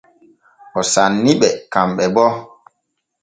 O sanni ɓe kanɓe bo.